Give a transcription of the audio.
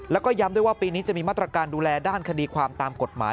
แล้วก็ย้ำด้วยว่าปีนี้จะมีมาตรการดูแลด้านคดีความตามกฎหมาย